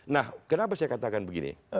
nah kenapa saya katakan begini